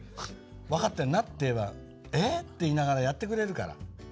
「分かってるな」って言えば「えっ？」って言いながらやってくれるから。